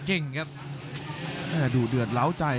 รับทราบบรรดาศักดิ์